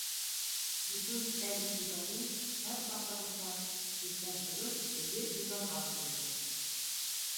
Бөгөн Әл-Кибари, һәр саҡтағыса, иртән тороп бейеп-йырларға тотондо.